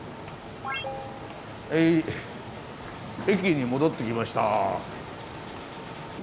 はい駅に戻ってきました。